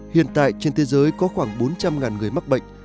hiện tại trên thế giới có khoảng bốn trăm linh người mắc bệnh